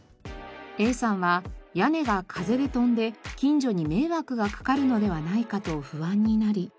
Ａさんは屋根が風で飛んで近所に迷惑がかかるのではないかと不安になり。